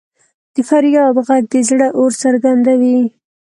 د فریاد ږغ د زړه اور څرګندوي.